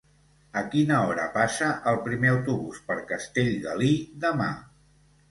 A quina hora passa el primer autobús per Castellgalí demà?